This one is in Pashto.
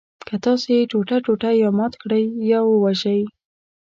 که تاسو یې ټوټه ټوټه یا مات کړئ یا وژوئ.